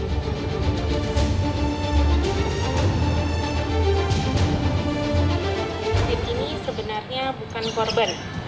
ini sebenarnya bukan korban